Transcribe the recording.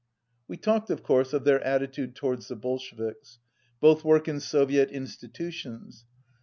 We talked, of course, of their attitude towards the Bolsheviks. Both work in Soviet institutions.